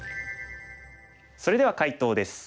それでは解答です。